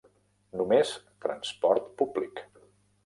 Només transport públic.